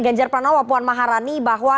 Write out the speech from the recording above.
ganjar pranowo puan maharani bahwa